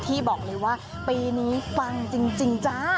ที่บอกเลยว่าปีนี้ปังจริงจ้า